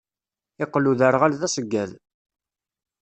Iqqel uderɣal d aṣeggad.